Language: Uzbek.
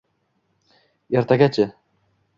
Ertagacha!